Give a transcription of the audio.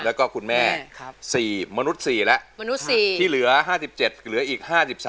แล้วก็คุณแม่สี่มนุษย์สี่และที่เหลือ๕๗เหลืออีก๕๓